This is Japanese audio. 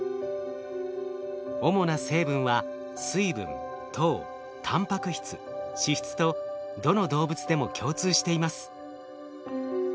主な成分は水分糖タンパク質脂質とどの動物でも共通しています。